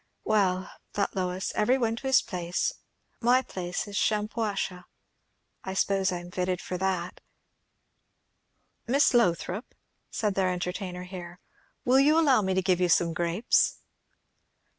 Well, thought Lois every one to his place! My place is Shampuashuh. I suppose I am fitted for that. "Miss Lothrop," said their entertainer here, "will you allow me to give you some grapes?"